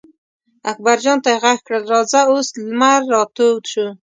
اکبر جان ته یې غږ کړل: راځه اوس لمر را تود شو.